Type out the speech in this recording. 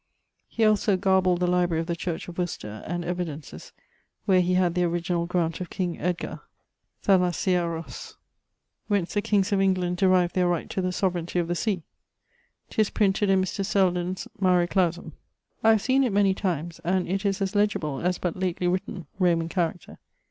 He also garbled the library of the church of Worcester, and evidences, where he had the originall grant of King Edgar (θαλασσιαρχης) whence the Kings of England derive their right to the soveraignty of the sea. 'Tis printed in Mr. Selden's Mare Clausum. I have seen it many times, and it is as legible as but lately written (Roman character).